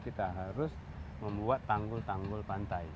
kita harus membuat tanggul tanggul pantai